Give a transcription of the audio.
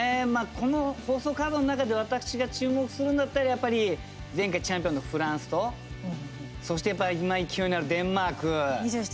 この放送カードの中で私が注目するんだったらやっぱり前回チャンピオンのフランスとそして今、勢いのあるデンマーク。